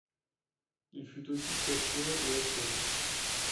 Il fut aussi catcheur et acteur.